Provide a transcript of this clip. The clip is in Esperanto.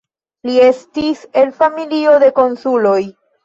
Li estis el familio de konsuloj.